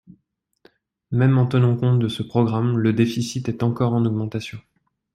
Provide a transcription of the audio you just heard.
Même en tenant compte de ce programme, le déficit est encore en augmentation.